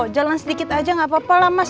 jalan sedikit aja nggak apa apa lah mas